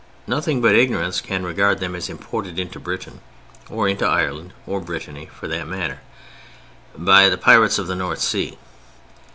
Nothing but ignorance can regard them as imported into Britain (or into Ireland or Brittany for that matter) by the Pirates of the North Sea.